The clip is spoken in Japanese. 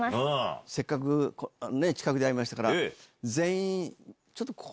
せっかく近くで会いましたから。